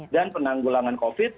dan penanggulangan covid